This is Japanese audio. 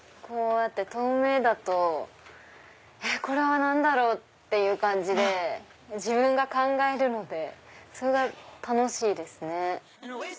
透明だとこれは何だろう？って感じで自分が考えるのでそれが楽しいですね。